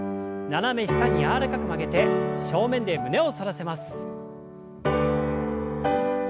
斜め下に柔らかく曲げて正面で胸を反らせます。